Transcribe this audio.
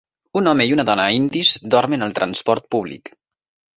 Un home i una dona indis dormen al transport públic.